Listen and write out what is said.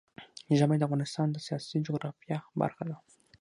ژمی د افغانستان د سیاسي جغرافیه برخه ده.